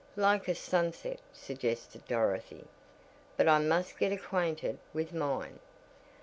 "Like a sunset," suggested Dorothy. "But I must get acquainted with mine."